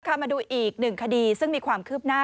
มาดูอีกหนึ่งคดีซึ่งมีความคืบหน้า